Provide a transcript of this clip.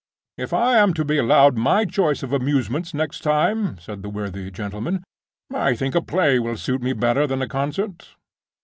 "If I am to be allowed my choice of amusements next time," said the worthy gentleman, "I think a play will suit me better than a concert.